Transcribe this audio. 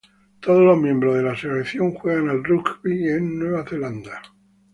Todos los miembros de la selección juegan al rugby en Nueva Zelanda.